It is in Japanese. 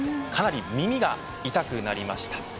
かなり耳が痛くなりました。